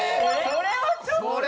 それはちょっと。